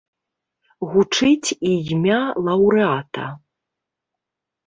Гучыць і імя лаўрэата.